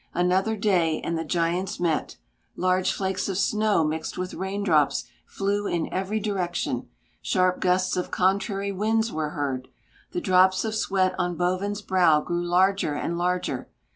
Another day and the giants met; large flakes of snow mixed with raindrops flew in every direction; sharp gusts of contrary winds were heard. The drops of sweat on Bovin's brow grew larger and larger.